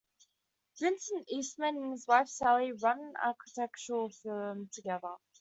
Vincent Eastman and his wife, Sally, run an architectural firm together.